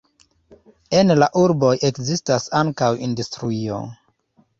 En la urboj ekzistas ankaŭ industrio.